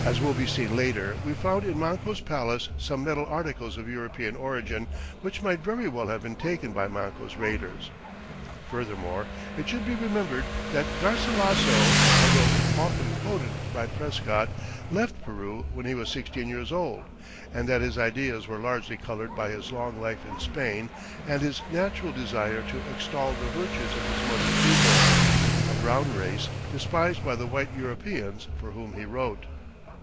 As will be seen later, we found in Manco's palace some metal articles of European origin which might very well have been taken by Manco's raiders. Furthermore, it should be remembered that Garcilasso, although often quoted by Prescott, left Peru when he was sixteen years old and that his ideas were largely colored by his long life in Spain and his natural desire to extol the virtues of his mother's people, a brown race despised by the white Europeans for whom he wrote.